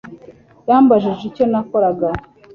Yambajije icyo nakoraga